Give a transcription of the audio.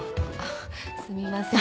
すみません。